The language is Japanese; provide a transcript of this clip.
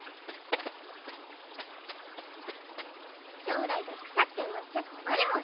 将来が腐って終わっちゃ困るもんね。